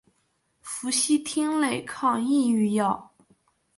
氟西汀类抗抑郁药。